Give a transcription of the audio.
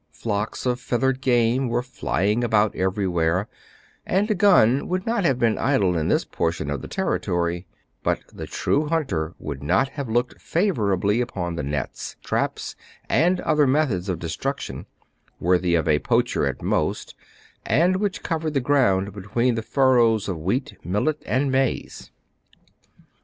Flocks of feathered game were flying about everywhere, and a gun would not have been idle in this portion of the territory ; but the true hunter would not have looked favorably upon the nets, traps, and other methods of destruction, worthy of a poacher at most, and which covered the ground between the furrows of wheat, millet, and maize.